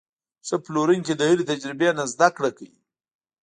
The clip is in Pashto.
ښه پلورونکی د هرې تجربې نه زده کړه کوي.